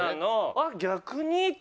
ああ逆に？